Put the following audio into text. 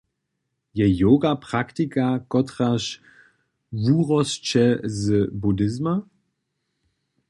Je yoga praktika, kotraž wurosće z buddhizma?